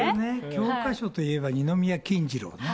教科書といえば二宮金次郎ね。